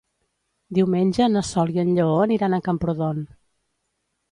Diumenge na Sol i en Lleó aniran a Camprodon.